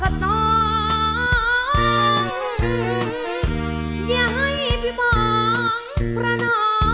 ร้องได้ให้ร้อง